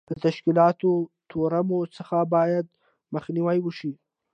له تشکیلاتي تورم څخه باید مخنیوی وشي.